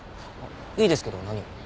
いいですけど何を？